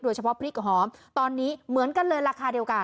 เฉพาะพริกหอมตอนนี้เหมือนกันเลยราคาเดียวกัน